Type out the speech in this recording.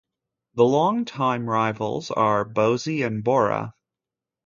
The longtime rivals are Boise and Borah.